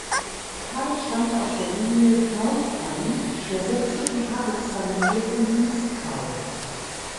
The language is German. Carl stammte aus der Linie Knauthain der sächsischen Adelsfamilie von Dieskau.